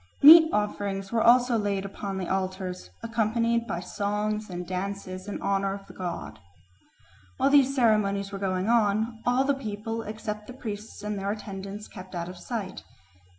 Meat offerings were also laid upon the altars, accompanied by songs and dances in honour of the god. While these ceremonies were going on, all the people except the priests and their attendants kept out of sight.